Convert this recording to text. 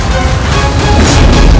kau akan menang